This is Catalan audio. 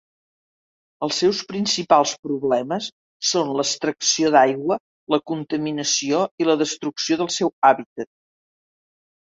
Els seus principals problemes són l'extracció d'aigua, la contaminació i la destrucció del seu hàbitat.